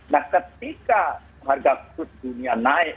nah ketika harga kurs dunia naik